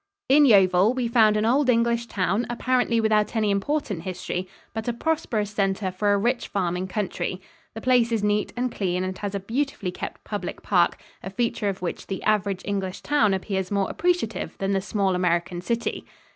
In Yeovil, we found an old English town apparently without any important history, but a prosperous center for a rich farming country. The place is neat and clean and has a beautifully kept public park a feature of which the average English town appears more appreciative than the small American city.